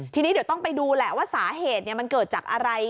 ทีนี้เดี๋ยวต้องไปดูแหละว่าสาเหตุมันเกิดจากอะไร